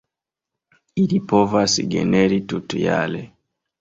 Ili povas generi tutjare.